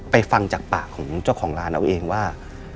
ฟังจากปากของเจ้าของร้านเอาเองว่า